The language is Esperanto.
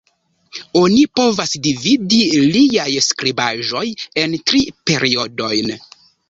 Oni povas dividi liaj skribaĵoj en tri periodojn.